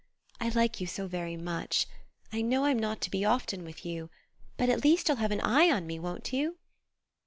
"I like you so very much. I know I'm not to be often with you; but at least you'll have an eye on me, won't you?"